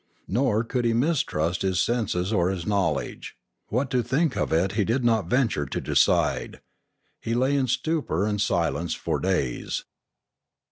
Nor could he mistrust his senses or his knowledge. What to think of it he did not venture to decide. He lay in stupor and silence for days.